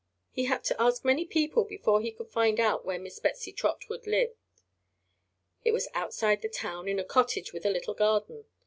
He had to ask many people before he could find out where Miss Betsy Trotwood lived. It was outside the town, in a cottage with a little garden.